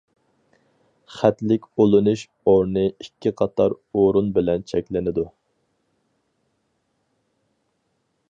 خەتلىك ئۇلىنىش ئورنى ئىككى قاتار ئۇرۇن بىلەن چەكلىنىدۇ.